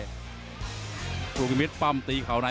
หรือว่าผู้สุดท้ายมีสิงคลอยวิทยาหมูสะพานใหม่